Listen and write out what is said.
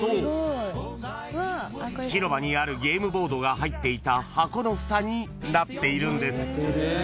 ［広場にあるゲームボードが入っていた箱のふたになっているんです］